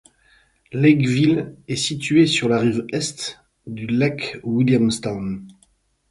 Lakeville est situé sur la rive est du lac Williamstown.